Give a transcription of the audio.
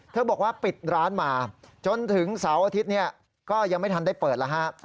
บอกว่าปิดร้านมาจนถึงเสาร์อาทิตย์เนี่ยก็ยังไม่ทันได้เปิดแล้วฮะ